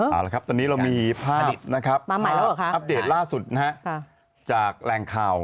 เอาละครับตอนนี้เรามีภาพนะครับอัปเดตล่าสุดนะฮะจากแรงข่าว